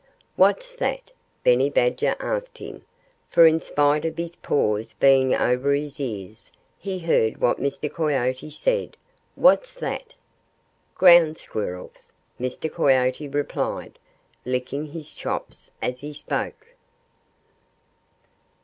"What's that?" Benny Badger asked him; for in spite of his paws being over his ears, he heard what Mr. Coyote said. "What's that?" "Ground Squirrels!" Mr. Coyote replied, licking his chops as he spoke.